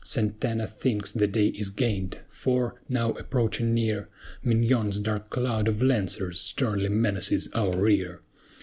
SANTANA thinks the day is gained; for, now approaching near, MIÑON'S dark cloud of Lancers sternly menaces our rear.